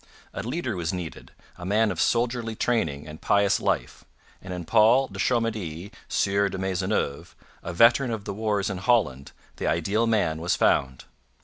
A leader was needed, a man of soldierly training and pious life; and in Paul de Chomedy, Sieur de Maisonneuve, a veteran of the wars in Holland, the ideal man was found.